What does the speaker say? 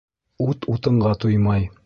Ут утынға туймай.